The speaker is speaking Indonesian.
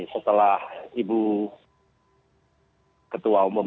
setelah ibu ketua umum